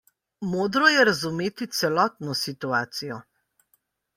Modro je razumeti celotno situacijo.